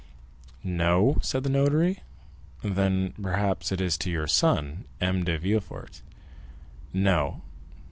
"No?" said the notary; "then, perhaps, it is to your son, M. de Villefort?" "No."